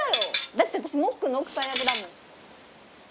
だって私もっくんの奥さん役だもん。